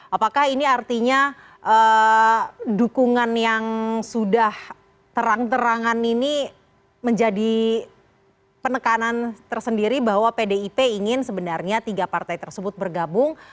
apakah ini artinya dukungan yang sudah terang terangan ini menjadi penekanan tersendiri bahwa pdip ingin sebenarnya tiga partai tersebut bergabung